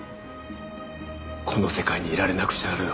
この世界にいられなくしてやるよ。